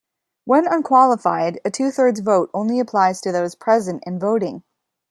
When unqualified, a two-thirds vote only applies to those present and voting.